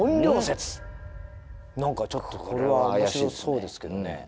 何かちょっとこれは怪しそうですけどね。